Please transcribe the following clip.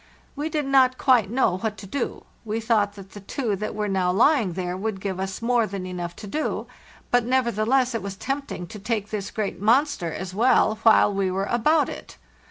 We did not quite know what to do; we thought that the two that were now lying there would give us more than enough to do, but neverthe less it was tempting to take this great monster as well, while we were about it.